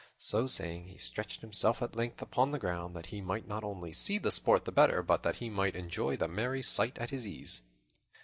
So saying, he stretched himself at length upon the ground, that he might not only see the sport the better, but that he might enjoy the merry sight at his ease.